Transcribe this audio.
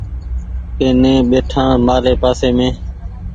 ائيني ٻئيٺآڻ مآري پآسي مينٚ